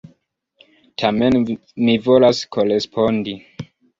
Tamen mi volas korespondi.